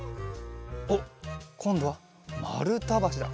おっこんどはまるたばしだ。